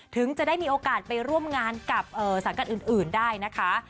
ถึงจะได้มีโอกาสไปร่วมงานกับสังกัดอื่นได้นะคะ